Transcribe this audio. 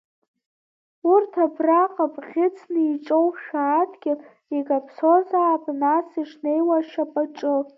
Урҭ абраҟа, бӷьыцны иҿоушәа адгьыл, икаԥсозаап нас ишнеиуа ашьапаҿы.